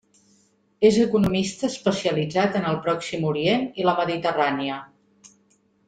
És economista especialitzat en el Pròxim Orient i la Mediterrània.